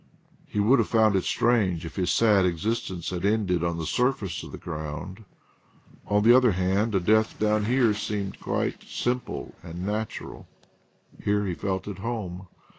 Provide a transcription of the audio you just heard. He would have found it strange if his sad existence had ended on the surface of the ground; on the other hand a death down here seemed quite simple and natural. Here he felt at home.